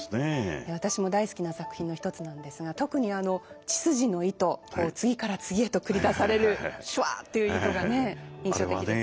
私も大好きな作品の一つなんですが特に千筋の糸を次から次へと繰り出されるしゅわっという糸がね印象的です。